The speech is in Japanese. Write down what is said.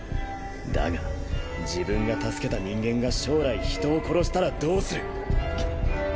だが自分が助けた人間が将来人を殺したらどうする？くっ。